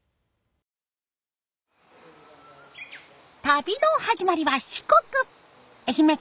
旅の始まりは四国！